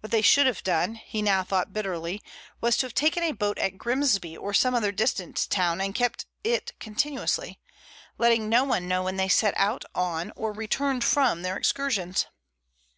What they should have done, he now thought bitterly, was to have taken a boat at Grimsby or some other distant town and kept it continuously, letting no one know when they set out on or returned from their excursions.